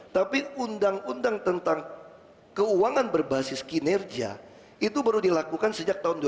tapi undang undang tentang keuangan berbasis kinerja itu baru dilakukan sejak tahun dua ribu